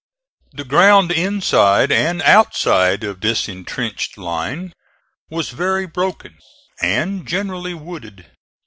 The ground inside and outside of this intrenched line was very broken and generally wooded.